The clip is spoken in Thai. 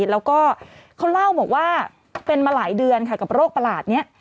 แล้วก็เขาเล่าบอกว่าเป็นมาหลายเดือนค่ะกับโรคประหลาดนี้